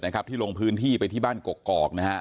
ที่ลงพื้นที่ไปที่บ้านกกอกนะฮะ